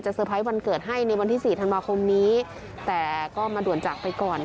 เตอร์ไพรส์วันเกิดให้ในวันที่สี่ธันวาคมนี้แต่ก็มาด่วนจากไปก่อน